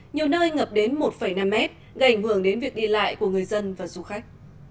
nhiều nơi ngập đến một năm mét gây ảnh hưởng đến việc đi lại của người dân và du khách